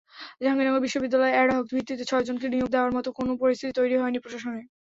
জাহাঙ্গীরনগর বিশ্ববিদ্যালয়অ্যাডহক ভিত্তিতে ছয়জনকে নিয়োগ দেওয়ার মতো কোনো পরিস্থিতি তৈরি হয়নি প্রশাসনে।